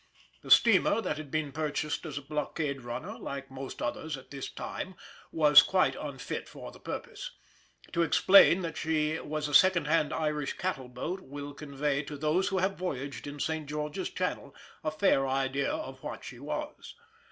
The steamer that had been purchased as a blockade runner, like most others at this time, was quite unfit for the purpose. To explain that she was a second hand Irish cattle boat will convey to those who have voyaged in St. George's Channel a fair idea of what she was.